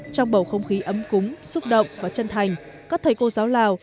trong bầu không khí ấm cúng xúc động và chân thành các thầy cô giáo lào